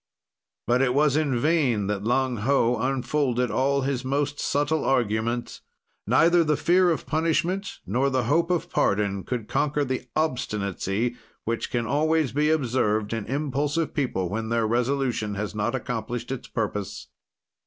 "But it was in vain that Lang Ho unfolded all his most subtle arguments. Neither the fear of punishment, nor the hope of pardon, could conquer the obstinacy which can always be observed in impulsive people when their resolution has not accomplished its purpose.